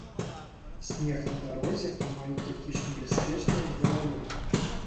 Снег на дарозе амаль такі ж небяспечны як галалёд.